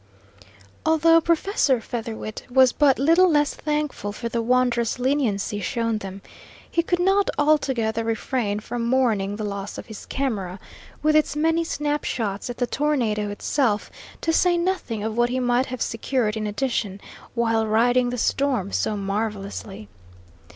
Although Professor Featherwit was but little less thankful for the wondrous leniency shown them, he could not altogether refrain from mourning the loss of his camera, with its many snap shots at the tornado itself, to say nothing of what he might have secured in addition, while riding the storm so marvellously.